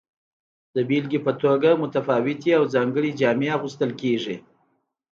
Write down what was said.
د بیلګې په توګه متفاوتې او ځانګړې جامې اغوستل کیږي.